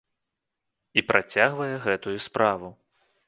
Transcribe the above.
І працягвае гэтую справу.